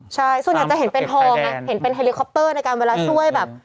ใช่ส่วนใหญ่จะเห็นเป็นทองไงเห็นเป็นเฮลิคอปเตอร์ในการเวลาช่วยแบบ